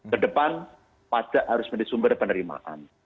kedepan pajak harus menjadi sumber penerimaan